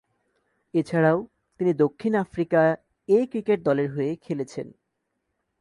এছাড়াও তিনি দক্ষিণ আফ্রিকা এ ক্রিকেট দলের হয়ে খেলেছেন।